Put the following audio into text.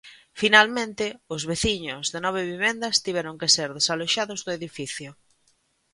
Finalmente, os veciños de nove vivendas tiveron que ser desaloxados do edificio.